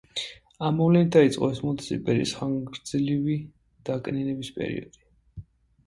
ამ მოვლენით დაიწყო ოსმალეთის იმპერიის ხანგრძლივი დაკნინების პერიოდი.